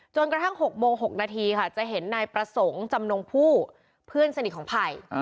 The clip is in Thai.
กระทั่ง๖โมง๖นาทีค่ะจะเห็นนายประสงค์จำนงผู้เพื่อนสนิทของไผ่